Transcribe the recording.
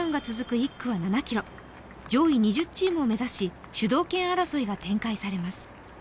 １区は６ｋｍ上位２０チームを目指し、主導権争いが展開されます。